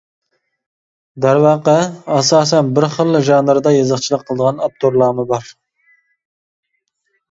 دەرۋەقە، ئاساسەن بىر خىللا ژانىردا يېزىقچىلىق قىلىدىغان ئاپتورلارمۇ بار.